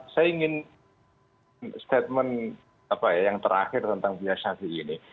saya ingin statement apa ya yang terakhir tentang buya syafiq ini